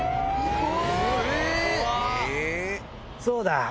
そうだ。